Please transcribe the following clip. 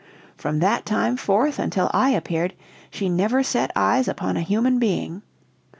From that time forth until I appeared she never set eyes upon a human being.